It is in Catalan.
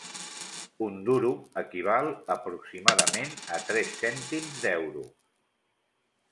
Un duro equival aproximadament a tres cèntims d'euro.